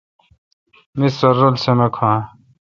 می سر رل سمہ کھو اؘ۔